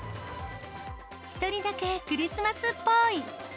１人だけクリスマスっぽい。